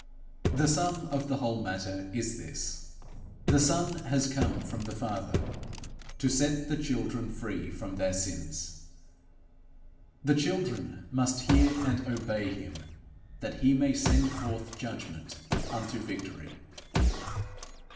The sum of the whole matter is this: The Son has come from the Father to set the children free from their sins; the children must hear and obey him, that he may send forth judgment unto victory.